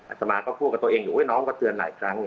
อาจจะมาก็พูดกับตัวเองอยู่น้องก็เตือนหลายครั้ง